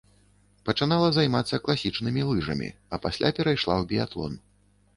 Пачынала займацца класічнымі лыжамі, а пасля перайшла ў біятлон.